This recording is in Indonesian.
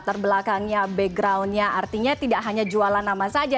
terbelakangnya backgroundnya artinya tidak hanya jualan nama saja